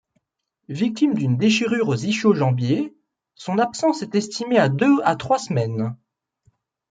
Victime d'une déchirure aux ischio-jambiers, son absence est estimée à deux à trois semaines.